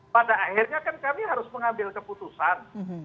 pada akhirnya kan kami harus mengambil keputusan